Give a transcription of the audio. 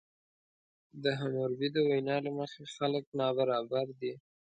د حموربي د وینا له مخې خلک نابرابر دي.